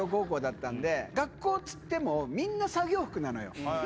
学校っつってもみんな作業服なのよ。